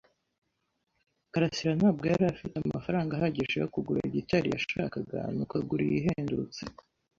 karasira ntabwo yari afite amafaranga ahagije yo kugura gitari yashakaga, nuko agura iyihendutse.